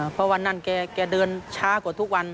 เพราะวันนั้นแกเดินช้ากว่าทุกวัน